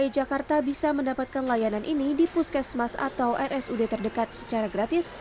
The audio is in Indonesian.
dki jakarta bisa mendapatkan layanan ini di puskesmas atau rsud terdekat secara gratis